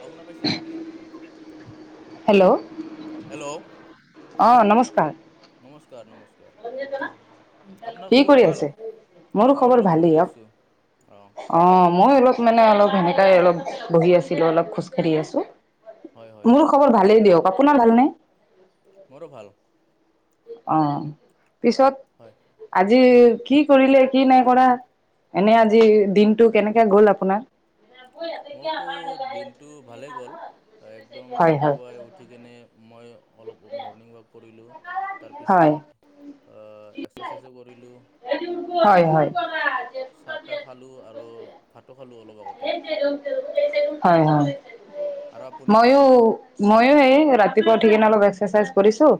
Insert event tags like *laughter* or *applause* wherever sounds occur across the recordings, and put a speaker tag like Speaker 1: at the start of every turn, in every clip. Speaker 1: অ শুনা পাইছেনে আপুনি
Speaker 2: হেল্ল'
Speaker 1: হেল্ল'
Speaker 2: অ নমস্কাৰ
Speaker 1: নমস্কাৰ নমস্কাৰ আপোনাৰ
Speaker 2: কি
Speaker 1: খবৰ
Speaker 2: কৰি
Speaker 1: ভাল?
Speaker 2: আছে মোৰো
Speaker 1: মই
Speaker 2: খবৰ
Speaker 1: অলপ বহি
Speaker 2: ভালেই হক
Speaker 1: আছোঁ। অঁ
Speaker 2: অ মই অলপ মানে অলপ সেনেকাই অলপ বহি আছিলো অলপ খোজকাঢ়ি আছো
Speaker 1: হয় হয়
Speaker 2: মোৰ খবৰ ভালেই দিয়ক অপোনাৰ ভালনে
Speaker 1: মোৰো ভাল
Speaker 2: অ পিছত
Speaker 1: হয়
Speaker 2: আজি কি কৰিলে কি নাই কৰা এনে আজি দিনটো কেনেকে গ'ল আপোনাৰ
Speaker 1: মোৰতো দিনটো ভালে গ'ল একদম
Speaker 2: হয় হয়
Speaker 1: পুৱাই উঠি কেনে মই অলপ মৰ্ণিং ৱাক কৰিলোঁ
Speaker 2: হয়
Speaker 1: তাৰপিছত এক্সাচাইজো কৰোঁ কৰিলোঁ
Speaker 2: হয়
Speaker 1: আৰু
Speaker 2: হয়।
Speaker 1: চাহ তাহ খালোঁ আৰু ভাতো খালোঁ অলপ লগতে
Speaker 2: হয় হয়
Speaker 1: আৰু আপুনি?
Speaker 2: ময়ো ময়ো এই ৰাতিপুৱা উঠি কিনে অলপ এক্সাচাইজ কৰিছোঁ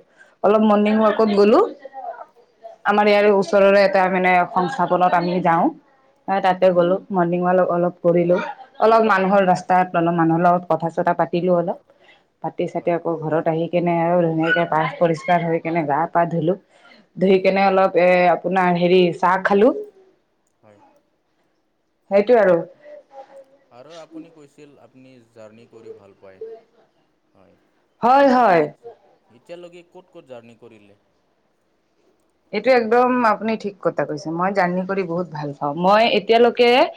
Speaker 2: অলপ মৰ্ণিং ৱাকত গলোঁ - আমাৰ ইয়াৰ ওচৰৰে এটা মানে সংস্থাপনত আমি যাওঁ - তাতে
Speaker 1: হয়
Speaker 2: গ'লো মৰ্ণিং ৱাক অলপ কৰিলোঁ অলপ মানুহৰ
Speaker 1: হয়
Speaker 2: ৰাস্তাতলো মানুহৰ লগত কথা- কথা পাতিলোঁ অলপ পাতি চাতি
Speaker 1: হয়
Speaker 2: ঘৰত আহি- কেনে আৰু ধুনীয়াকে পাহ পৰিষ্কাৰ হৈ কেনে গা পা ধুলো ধুই
Speaker 1: হয়
Speaker 2: কেনে অলপ এ- আপোনাৰ হেৰি চাহ খালোঁ -
Speaker 1: হয়-
Speaker 2: সেইটো আৰু-
Speaker 1: আৰু আপুনি কৈছিল আপুনি জাৰ্ণি কৰি ভাল পায়- হয়
Speaker 2: হয়
Speaker 1: আপুনি
Speaker 2: হয়
Speaker 1: এতিয়ালৈকে ক'ত ক'ত জাৰ্ণি কৰিলে-
Speaker 2: এইটো একদম আপুনি ঠিক কথা কৈছে মই জাৰ্নি কৰি বহুত ভাল পাওঁ মই এতিয়ালৈকে-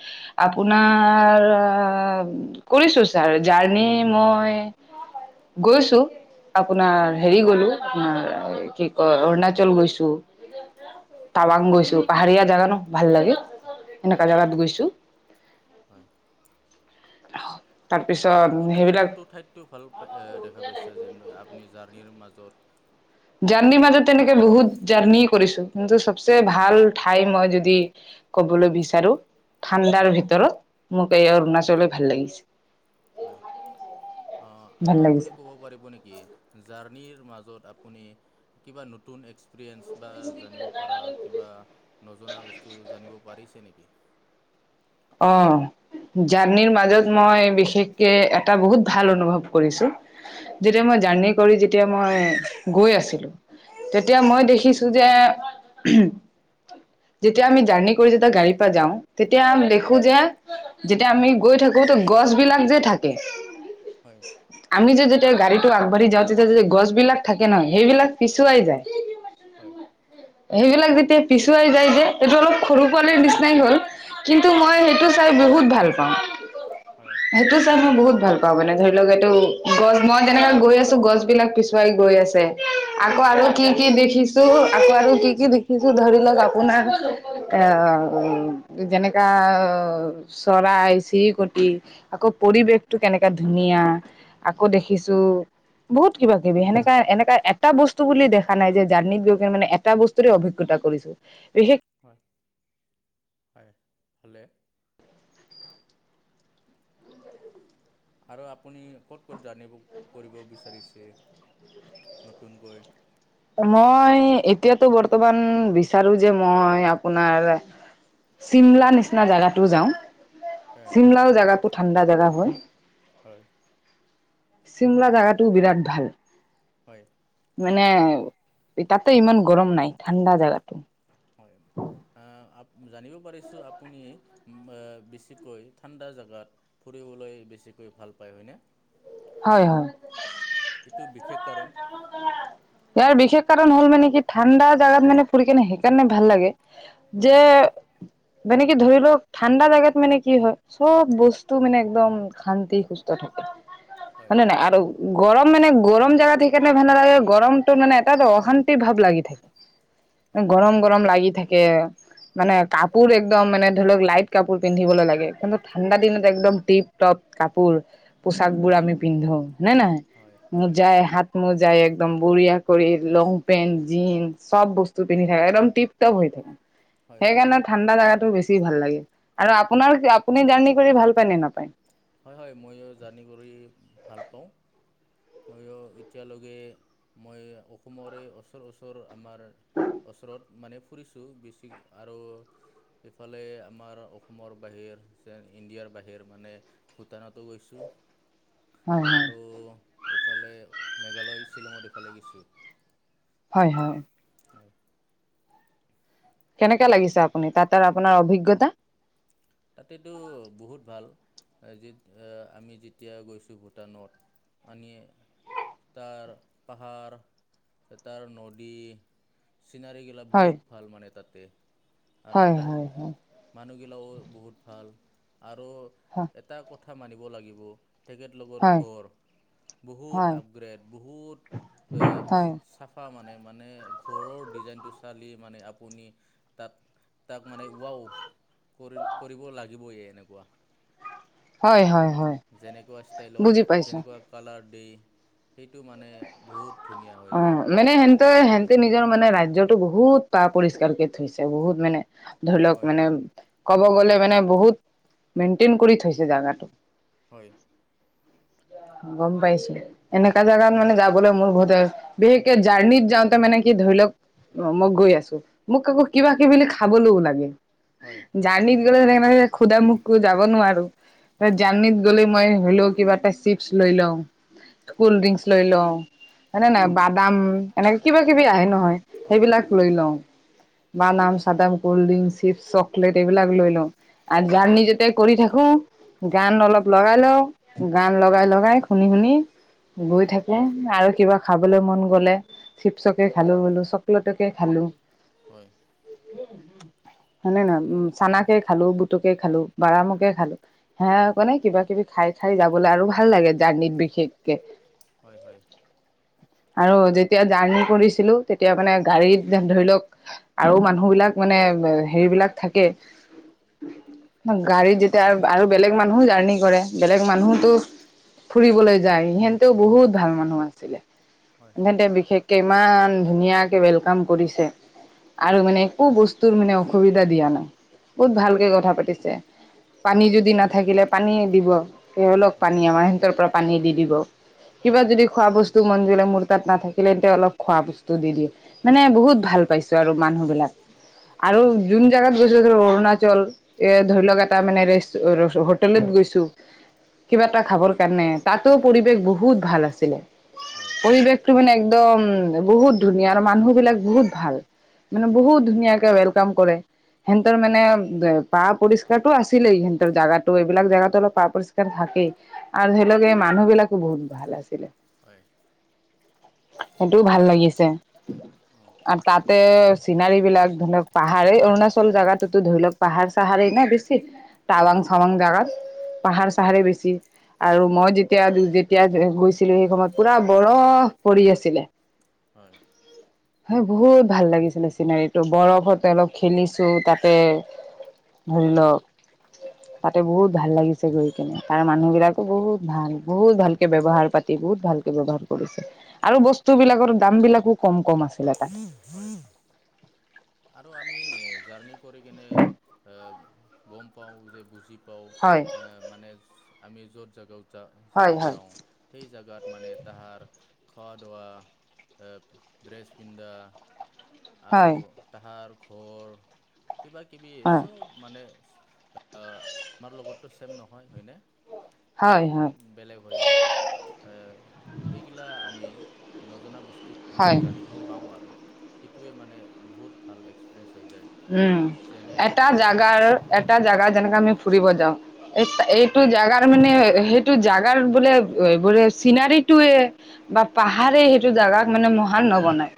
Speaker 2: আপোনাৰ কৰিছোঁ ছাৰ জাৰ্ণি মই- গৈছোঁ -
Speaker 1: হয়
Speaker 2: আপোনাৰ হেৰি গলোঁ কি কয় অৰুণাচল গৈছোঁ - টাৱাং গৈছো
Speaker 1: হয়
Speaker 2: পাহাৰীয়া জোগা ন ভাল লাগে
Speaker 1: হয়
Speaker 2: এনেকুৱা
Speaker 1: হয়
Speaker 2: জাগাত গৈছোঁ -
Speaker 1: হয়
Speaker 2: আহ-
Speaker 1: আৰু আপুনি কোনটো ঠাইততো ভাল দেখা পাইছে যেন আপুনি- জাৰ্ণিৰ মাজত-
Speaker 2: জাৰ্ণিৰ মাজত তেনেকে বহুত জাৰ্ণি কৰিছোঁ কিন্তু চবচে ভাল ঠাই মই যদি ক- হ'বলৈ বিচাৰোঁ - ঠাণ্ডাৰ
Speaker 1: হয়
Speaker 2: ভিতৰত মোক এই অৰুণাচলে ভাল লাগিছে-
Speaker 1: হয় অ
Speaker 2: ভাল
Speaker 1: আৰু
Speaker 2: লাগিছে
Speaker 1: আপুনি ক'ব পাৰিব নেকি জাৰ্ণিৰ মাজত- কিবা নতুন এক্স- এক্সপিৰিয়েন্ঞ্চ বা জানিব পৰা কিবা নজনা বস্তু জানিব পাৰিছে নেকি?
Speaker 2: অ- জাৰ্নিৰ মাজত মই বিশেষকে এটা বহুত ভাল অনুভৱ কৰিছোঁ -
Speaker 1: হয়
Speaker 2: যেতিয়া মই জাৰ্ণি কৰি যেতিয়া মই গৈ আছিলোঁ - তেতিয়া মই
Speaker 1: হয়
Speaker 2: দেখিছোঁ যে- যেতিয়া আমি জাৰ্ণি কৰি যেতিয়া গাড়ীৰ পৰা যাওঁ তেতিয়া- থখো যে যেতিয়া আমি
Speaker 1: হয়
Speaker 2: গৈ থাকোঁ গছ বিলাক যে থাকে-
Speaker 1: হয়
Speaker 2: আমনি যদি দি - য়া গাড়ীতো আগবাঢ়ি যাওঁতে যা য গছ বিলাক থাকে ন সেইবিলাক পিছুৱাই যায়-
Speaker 1: হয়-
Speaker 2: সেইবিলাক যেতিয়া পিছুৱাই যাই যে এইটো অলপ সৰু পোৱালিৰ নিচিনাই হ'ল কিন্তু- মই
Speaker 1: হয়
Speaker 2: সেইটো চাই বহুত ভাল পাওঁ
Speaker 1: হয়
Speaker 2: সেইটো চাই মই বহুত- ভাল পাওঁ মানে ধৰি লওক এইটো গছ মই যেনেকৈ গৈ আছোঁ গছ বিলাক পিছুৱাই গৈ আছে- আকৌ আৰু
Speaker 1: হয় হয়
Speaker 2: কি কি দেখিছোঁ - আকৌ আৰু কি কি দেখিছোঁ ধৰি লওক আপোনাৰ এ উ যেনে- চৰাই চিৰিকটি আকৌ পৰিৱেশটো কেনেকুৱা ধুনীয়া- আকৌ দেখিছোঁ বহুত কিবা কিবি সেনেকা এনেকা- এটা বস্তু বুলি দেখা নাই যে জাৰ্নিত গৈ কিনে মানে এটা বস্তুৰে অভিজ্ঞতা কৰিছোঁ বিশেষ- উ *inaudible*
Speaker 1: হয় হয় ভালে- আৰু আপুনি ক'ত ক'ত জানি কৰিব বিচাৰিছে- নতুনকৈ-
Speaker 2: মই এতিয়াতো বৰ্তমান বিচাৰোঁ যে মই আপোনাৰ- চিমলা নিচিনা জোগাতটো যাওঁ
Speaker 1: হয়
Speaker 2: চিমলাও জোগাটো ঠাণ্ডা জেগা হয়-
Speaker 1: হয়-
Speaker 2: চিমলা জোগাটোও বিৰাট ভাল-
Speaker 1: হয়-
Speaker 2: মানে তাতে ইমান গৰম নাই ঠাণ্ডা জোগাতো
Speaker 1: হয় আ আ জানিব। চে ভ
Speaker 2: হয় হয়
Speaker 1: এইটো বিশেষ কাৰণ
Speaker 2: ইয়াৰ বিশেষ কাৰণ হ'ল মানে কি ঠাণ্ডা জাগাত মানে ফুৰি কেনে সেইকাৰণে ভাল লাগে যে মানে কি ধৰি লওক ঠাণ্ডা জোগাত মানে কি হয় চব বস্তু মানে একদম শান্তি সুস্থ থাকে। হয় নে নাই আৰু গৰম মানে গৰম জোগা থিকনে ভাল লাগে গৰমটোৰ মানে এটা অশান্তি ভাৱ লাগি থাকে।
Speaker 1: হয়
Speaker 2: গৰম গৰম লাগি থাকে মানে কাপোৰ একদম মানে ধৰি লওক লাইট কাপোৰ পিন্ধিবলৈ লাগে কিন্তু ঠাণ্ডা দিনত একদম টিপ টপ কাপোৰ পোচাক বোৰ
Speaker 1: হয়
Speaker 2: আমি পিন্ধো নে নহয়
Speaker 1: হয় হয়
Speaker 2: মোৰ
Speaker 1: হয়
Speaker 2: যাই হাত মো যায় একদম বঢ়িয়া কৰি লং পেণ্ট জিনন্ চব বস্তু পিন্ধি থাকে একদম টিপ টপ হৈ থাকে
Speaker 1: হয় হয়
Speaker 2: সেইকাৰণে ঠাণ্ডা জাগাতটো বেছি ভাল লাগে আৰু আপোনাৰ আপুনি জাৰ্ণি কৰি ভাল পায় নে নাপায়
Speaker 1: হয় হয় ময়ো জানি কৰি ভাল পাওঁ মইয়ো এতিয়ালৈকে মই অসমৰে ওচৰ ওচৰ আমাৰ ওচৰত মানে ফুৰিছোঁ বেছি আৰু সফালে আমাৰ অসমৰ বাহিৰ যে ইণ্ডিয়াৰ বাহিৰ মানে ভূটানতো গৈছোঁ
Speaker 2: হয়
Speaker 1: আৰু
Speaker 2: হয়
Speaker 1: এইফালে মেঘালয় শ্বিলঙত ইফালে গছুঁ
Speaker 2: হয় হয়। কেনেকাে লাগিছে আপুনি তাত আৰু আপোনাৰ অভিজ্ঞতা
Speaker 1: জ আমি যেতিয়া গৈছো ভূটানত আন তাৰ পাহাৰ তাৰ নদী চিনাৰীগিলা
Speaker 2: হয়
Speaker 1: বহুত ভাল মানে তাতে আৰু
Speaker 2: হয়
Speaker 1: ত
Speaker 2: হয় হয়
Speaker 1: মানুহগিলাও বহুত ভাল আৰু এটা কথা মানিব লাগিব। তেখেত লগৰ
Speaker 2: হয়
Speaker 1: ঘৰ বহুত
Speaker 2: হয়
Speaker 1: আপগ্ৰেড বহুত
Speaker 2: হয়
Speaker 1: চাফা মানে মানে ঘৰৰ ডিজাইনটো চালি মানে আপুনি তাত তাক মানে ৱও কৰি কৰিব লাগিবয়ে এনেকুৱা
Speaker 2: হয় হয়। হয়
Speaker 1: যেনেকুৱা
Speaker 2: বুজি
Speaker 1: ষ্টাইলত
Speaker 2: পাইছো
Speaker 1: যেনেকুৱা কালাৰ দ সেইটো মানে বহুত ধুনীয়া হৈ
Speaker 2: অ
Speaker 1: যায়
Speaker 2: মনে এন ত সিহতে নিজৰ মানে ৰাজ্যতো বহুত পা পৰিষ্কাৰকে থৈছে বহুত মানে ধৰি লওক
Speaker 1: হয়
Speaker 2: মানে
Speaker 1: হয়
Speaker 2: ক'ব গলে মানে বহুত মেইনটেইন কৰি থৈছে জটো
Speaker 1: হয়
Speaker 2: গম পাইছো এনেকা জেগাত মানে যাবলৈ মোৰ বহুতে বিশেষকে জাৰ্ণিত যাওঁতে মানে কি ধৰি লওক। অ মই গৈ আছো মোক আকৌ কিবা কিবি খাবলৈও লাগে।
Speaker 1: হয়
Speaker 2: জাৰ্নিত গ'লে স খুদা মোকো যাব নোৱাৰো
Speaker 1: হয় হয়
Speaker 2: জাৰ্নিত গ'লে মই ধৰি লও কিবা এটা চিপছ লৈ লওঁ কুল ড্ৰিংক
Speaker 1: হয়
Speaker 2: লৈ লওঁ হয়নে নাই? বাদাম এনেকে কিবা কিবি আহে নহয়
Speaker 1: হয় হয় হয়
Speaker 2: সেইবিলাক
Speaker 1: হয়
Speaker 2: লৈ লওঁ বাদাম চাদাম কল্ড ড্ৰিংক চিপ চকলেট এইবিলাক লৈ ল আৰু
Speaker 1: হয়
Speaker 2: জাৰ্নি যেতিয়া কৰি থাকো। গান অলপ লগাই লওঁ গান লগাই লগাই শুনি শুনি গৈ থাকে আৰু কিবা খাব। মন গলে চিপছকে খালো বোলো চকলেটকে খালো।
Speaker 1: হয়।
Speaker 2: উম উ হয়নেে নহয় উম চানাকে খালো বুটুকে খালো বাৰামুকে খালো হে ক নে কিবা কিবি খাই খাই যাবলৈ আৰু ভাল লাগে জাৰ্নিত বিশেষকে
Speaker 1: হয় হয়
Speaker 2: আৰু যেতিয়া জাৰ্ণি কৰিছিল। ছিলো তেতিয়া মানে গাড়ীত ধৰি লওক আৰু মানুহ বিলাক মানে হেৰি বিলাক থাকে গাড়ীত যেতিয়া আৰু বেলেগ মানুহো জাৰ্ণি কৰে বেলেগ
Speaker 1: হয়
Speaker 2: মানুহতো
Speaker 1: হয়
Speaker 2: ফুৰিবলৈ যায় সিহেনতেও বহুত ভাল মানুহ আছিলে?
Speaker 1: হয়
Speaker 2: সন্তে বিশেষকে ইমান ধুনীয়াকে ৱেলকাম কৰিছে? আৰু
Speaker 1: হয়
Speaker 2: মানে একো বস্তুৰ মানে অসুবিধা দিয়া নাই। বহুত
Speaker 1: হয়
Speaker 2: ভালকে
Speaker 1: হয়
Speaker 2: কথা পাতিছে পানী
Speaker 1: হয়
Speaker 2: যদি নাথাকিলে পানী দিব স অল
Speaker 1: হয়
Speaker 2: পানী আমাৰ সিহতৰ পৰা পানী দি দিব কিবা
Speaker 1: হয়
Speaker 2: যদি খোৱা বস্তু মন জিললে মোৰ তাত নাথাকিলে তেন্তে অলপ খোৱা বস্তু দি দিয়ে মানে
Speaker 1: হয়
Speaker 2: বহুত ভাল পাইছো আৰু মানুহ বিলাক
Speaker 1: হয়
Speaker 2: আৰু
Speaker 1: হয়
Speaker 2: যোন জাগাত গৈছ। অৰুণাচল এ ধৰি লওক এটা মানেচ হোটেলত গৈছো। কিবা এটা খাবৰ কাৰণে তাতো পৰিৱেশ বহুত ভাল আছিলে
Speaker 1: হয়
Speaker 2: পৰিৱেশটো মানে একদম বহুত ধুনীয়া আৰু মানুহ বিলাক বহুত ভাল। মানে
Speaker 1: হয়
Speaker 2: বহুত ধুনীয়াকে ৱেলকাম কৰে। সিহঁতৰ মানে এ পা পৰিস্কাৰতো আছিলেই সিহঁতৰ জোগাত এইবিলাক জেগাতো অলপ পা পৰিসকাৰ থাকে। ই আৰু ধৰি লকে মানুহ বিলাকো বহুত ভাল আছিলে।
Speaker 1: হয়।
Speaker 2: সেইটোও ভাল লাগিছে
Speaker 1: অঁ
Speaker 2: আৰু তাতে চিনাৰী বিলাক ধৰি লওক পাহাৰ এই অৰুণাচল জোগাতোতো ধৰি লওক পাহাৰ চাহাৰ নাই বেছি
Speaker 1: হয়
Speaker 2: টাৱাং
Speaker 1: হয়
Speaker 2: চাৱাং জাগাত
Speaker 1: হয়
Speaker 2: পাহাৰ চাহাৰ বেছি আৰু মই যেতিয়া -যেতিয়া গৈছিলো সেই সময়ত পুৰা বৰফ পৰি আছিলে
Speaker 1: হয়
Speaker 2: হয় বহুত ভাল লাগিছিলে চিনাৰীটো বৰফতে অলপ খেলিছো তাতে ধৰি ল তাতে বহুত ভাল লাগিছে গৈ কিনে আৰু মানুহ বিলাকো বহুত ভাল। বহুত
Speaker 1: হয়
Speaker 2: ভালকে ব্যৱহাৰ পাতি বহুত ভালকে ব্যৱহাৰ কৰিছে আৰু
Speaker 1: হয়
Speaker 2: বস্তু বিলাকত দাম বিলাকো কম- কম আছিলে তাত
Speaker 1: আৰু আমি জাৰ্ণি কৰি কেনে এ গম পাওঁ যে বুজি পাও
Speaker 2: হয়
Speaker 1: এ মানে আমি যত জগাও
Speaker 2: হয়
Speaker 1: জোগাত
Speaker 2: হয়
Speaker 1: যাওঁ সেই জোগাত মানে তাহাৰ খোৱা দোৱা ড্ৰেছ পিন্ধা আৰু
Speaker 2: হয়
Speaker 1: তাহাৰ ঘৰ কিবা- কিবি
Speaker 2: হয়
Speaker 1: চব মানে আমাৰ লগতটো ছেম নহয় হয়নে?
Speaker 2: হয়
Speaker 1: চব
Speaker 2: হয়
Speaker 1: বেলেগ হৈ যায় এৰ সেইগিলা আমি বস্তু বিলাক
Speaker 2: হয়
Speaker 1: জানিবলে পাওঁ আৰু সেইটোে মানে বহুত ভাল এক্সপ্ৰিয়েন মানে
Speaker 2: উম এটা জাগাৰ এটা জাগা যেনেকে আমি ফুৰিব যাওঁ এইটো জোগাৰ মানে সেইটো জাগাৰ বোলে বো চিনাৰিটো বা পাহাৰে সেইটো জাগাক মানে মহান নবনায়।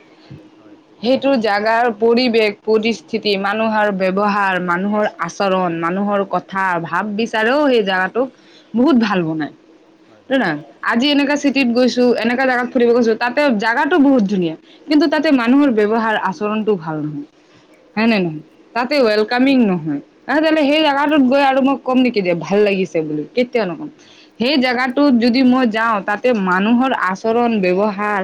Speaker 1: হয়
Speaker 2: সেইটো জাগাৰ পৰিৱেশ প্ৰতি স্থিতি মানুহৰ ব্যৱহাৰ মানুহৰ আচৰণ মানুহৰ কথা ভাব বিচাৰেও সেই জেগা বহুত ভাল বনাই
Speaker 1: হয় হয়
Speaker 2: জ আজি এনেকা চিটিত গৈছো এনেকা জাগাত ফুৰিব গৈছো তাতে জাগগাতো বহুত ধুনীয়া কিন্তু তাতে
Speaker 1: হয়
Speaker 2: মানুহৰ ব্যয়হাৰ আছে চৰণটো ভাল নহয়। হ ন
Speaker 1: হয়
Speaker 2: নহ তাতে
Speaker 1: হয় হয়
Speaker 2: ৱেলকামিং নহয়লে সেই
Speaker 1: হয়
Speaker 2: জাগগাটোত গৈ আৰু মই কম নেকি যে ভাল লাগিছে বুলি কেতিয়াও নক'ম
Speaker 1: ন
Speaker 2: সেই
Speaker 1: হয়
Speaker 2: জেগাটোত যদি মই যাওঁ তাতে মানুহৰ আচৰণ ব্যৱহাৰ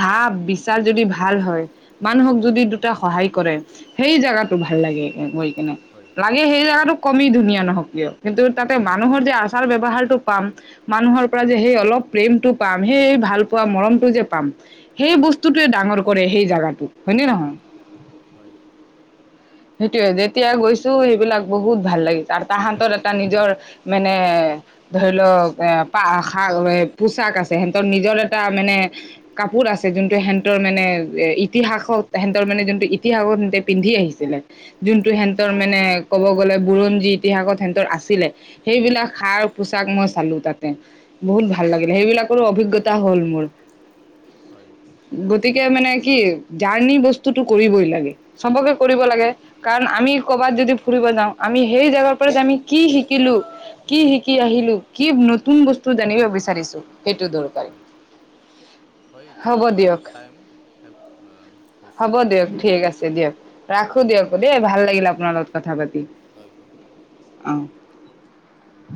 Speaker 2: ভাৱ বিচাৰ যদি ভাল হয় মানুহৰ দুটা সহায় কৰেই সেই জেগাটো ভাল লৈ
Speaker 1: হয়
Speaker 2: লাগে কমি ধুনীয়া নহওক কিয় কিন্তু তাতে মানুহৰ যে আচাৰ ব্যৱহাৰটো পাম মানুহৰ পৰা যে সেই অলপ প্ৰেমটো পাম সেই ভাল পোৱা মৰমটো যে পাম সেই বস্তুটোৱে ডাঙৰ কৰে সেই জাগাটো হয় ন নহয়
Speaker 1: হয়',
Speaker 2: সেইটোয়ে যেতিয়া গৈছোঁ সেইবিলাক বহুত ভাল লাগিছে আৰু তাহতৰ এটা নিজৰ মানে অ', ধৰি লওক এ পাক পোছাক আছে সিহঁতৰ নিজৰ এটা মানে কাপ কাপোৰ আছে যোনটো হেনতৰ মানে ইতিহাসত হেনতৰ মানে যোনটো ইতিহাসত হেনতে পিন্ধি আহিছিলে যোনটো
Speaker 1: হয় হয়
Speaker 2: হেনতৰ মানে ক'ব গ গ'লে বুৰঞ্জী ইতিহাসত হেনতৰ আছিলে সেইবিলাক সাৰ পোছাক মই চালো তাতে বহুত ভাল লাগিলে
Speaker 1: হয়
Speaker 2: সেইবিলাকৰো অভিজ্ঞতা হ'ল মোৰ
Speaker 1: হয়
Speaker 2: গতিকে মানে কি, জাৰ্ণি বস্তুতটো কৰিবই লাগে সবকে কৰিব
Speaker 1: হয়
Speaker 2: লাগে কাৰণ আমি ক'ৰবাত যদি ফুৰিব যাওঁ, আমি সেই জোগাৰ পৰা, আমি কি শিকিলোঁ? কি শিকি আহিলোঁ কি নতুন বস্তু জানিব বিচাৰিছোঁ, সেইটো দৰকাৰী?
Speaker 1: হয়
Speaker 2: উম',
Speaker 1: হয়, এতিয়া আমাৰ টাইম শেষ অ হৈছে থেংক ইউ।
Speaker 2: হোক দিয়ক দেই ভাল লাগিল আপোনাৰ
Speaker 1: হয়
Speaker 2: লগত কথা পাতি।
Speaker 1: হয় হয়
Speaker 2: আহ',